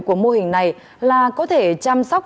của mô hình này là có thể chăm sóc